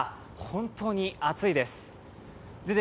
本当に暑いです。